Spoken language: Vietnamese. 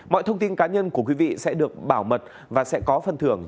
mọi thông tin cá nhân của quý vị sẽ được bảo mật và sẽ có phần thưởng